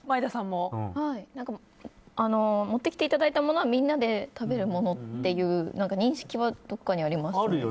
持ってきていただいたものはみんなで食べるものという認識はどこかにあります。